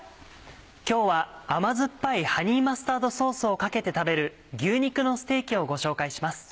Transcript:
今日は甘酸っぱいハニーマスタードソースをかけて食べる「牛肉のステーキ」をご紹介します。